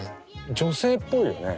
女性っぽいよね。